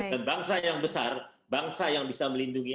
dan bangsa yang besar bangsa yang bisa melindungi